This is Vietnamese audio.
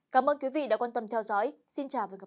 cảm ơn quý vị đã quan tâm theo dõi